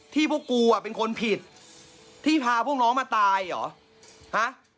พวกกูอ่ะเป็นคนผิดที่พาพวกน้องมาตายเหรอฮะ